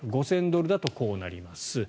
５０００ドルだとこうなります。